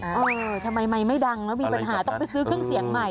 เออทำไมไมค์ไม่ดังแล้วมีปัญหาต้องไปซื้อเครื่องเสียงใหม่